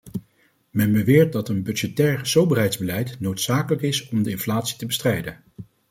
Men beweert dat een budgettair soberheidsbeleid noodzakelijk is om de inflatie te bestrijden.